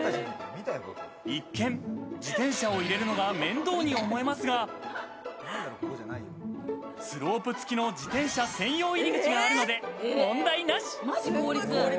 一見、自転車を入れるのが面倒に思えますが、スロープ付きの自転車専用入り口があるので問題なし。